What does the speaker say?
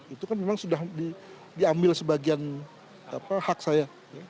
itu kan memang sudah diambil sebagian hak saya